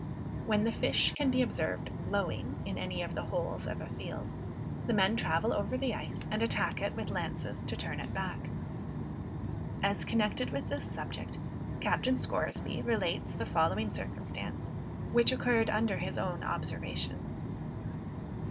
When the fish can be observed "blowing" in any of the holes of a field, the men travel over the ice and attack it with lances to turn it back. As connected with this subject, Captain Scoresby relates the following circumstance, which occurred under his own observation.